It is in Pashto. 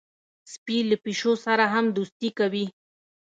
سپي له پیشو سره هم دوستي کوي.